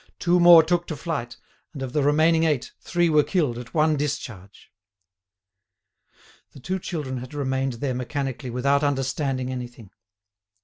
Two more took to flight, and of the remaining eight three were killed at one discharge. The two children had remained there mechanically without understanding anything.